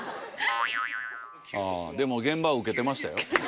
でも現場ウケてましたよ。